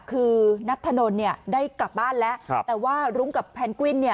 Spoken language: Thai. คือนัทธนตร์ได้กลับบ้านแล้วแต่ว่ารุ้งกับเพนกวิ้น